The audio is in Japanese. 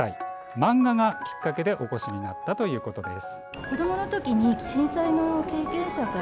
漫画がきっかけでお越しになったということです。